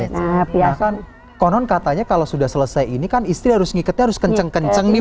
nah kan konon katanya kalau sudah selesai ini kan istri harus ngikatnya harus kenceng kenceng nih